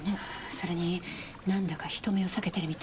それになんだか人目を避けてるみたい。